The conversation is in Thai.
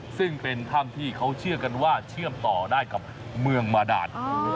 ซึ่งเป็นถ้ำที่เขาเชื่อกันว่าเชื่อมต่อได้กับเมืองมาดาน